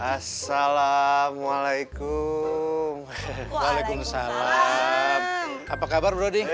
assalamualaikum waalaikumsalam apa kabar brodi